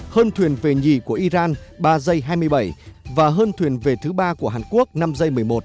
hơn thuyền về nhì của iran ba giây hai mươi bảy và hơn thuyền về thứ ba của hàn quốc năm dây một mươi một